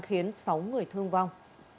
khiến sáu người thương vong